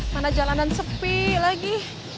mana jalanan sepi lagi